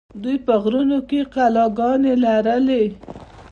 دوی په غرونو کې کلاګانې لرلې